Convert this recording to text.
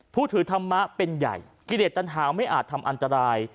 ผู้ถือธรรมะเป็นใหญ่กิเลสตันหาวไม่อาจทำอันตราย